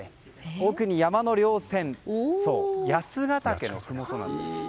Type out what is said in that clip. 奥に山の稜線八ケ岳のふもとなんです。